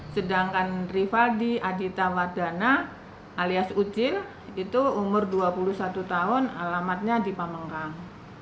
sedangkan rivaldi adita wadana alias ucil itu umur dua puluh satu tahun alamatnya di pamengkang